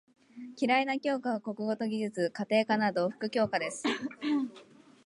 嫌いな教科は国語と技術・家庭科など副教科です。